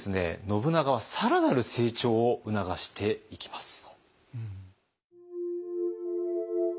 信長は更なる成長を促していきます。